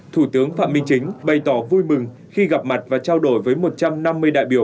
thủ tướng phạm minh chính bày tỏ vui mừng khi gặp mặt và trao đổi với một trăm năm mươi đại biểu